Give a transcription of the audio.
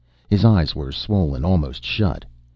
His eyes were swollen almost shut.